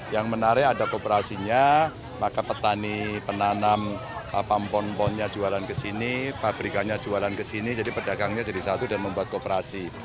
yang menarik ada kooperasinya maka petani penanam pampon pomponnya jualan ke sini pabrikanya jualan ke sini jadi pedagangnya jadi satu dan membuat kooperasi